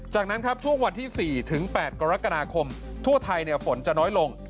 จากนั้นครับช่วงวันที่๔๘กรกฎาคมทั่วไทยฝนจะน้อยลง